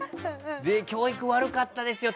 教育に悪かったですよ。